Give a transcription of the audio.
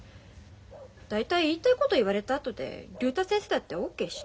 だいたい言いたいこと言われたあとで竜太先生だってＯＫしないよ？